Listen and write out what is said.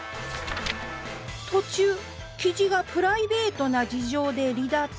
途中キジがプライベートな事情で離脱。